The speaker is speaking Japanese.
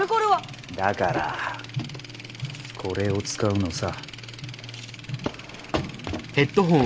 だからこれを使うのさ。